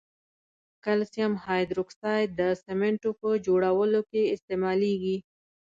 کلسیم هایدروکساید د سمنټو په جوړولو کې استعمالیږي.